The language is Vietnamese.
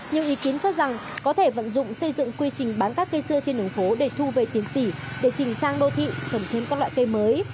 nhiều ý kiến cho rằng có thể vận dụng xây dựng quy trình bán các cây xưa trên đường phố để thu về tiền tỷ để trình trang đô thị trồng thêm các loại cây mới